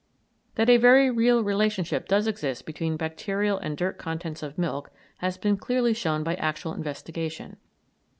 That a very real relationship does exist between the bacterial and dirt contents of milk has been clearly shown by actual investigation.